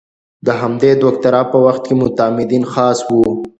د همدې دوکتورا په وخت کې معتمدین خاص وو.